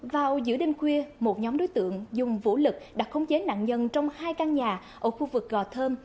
vào giữa đêm khuya một nhóm đối tượng dùng vũ lực đặt khống chế nạn nhân trong hai căn nhà ở khu vực gò thơm